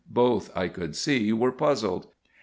Both, I could see, were puzzled.